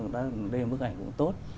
đây là bức ảnh cũng tốt